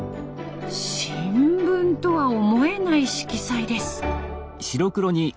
新聞とは思えない色彩です。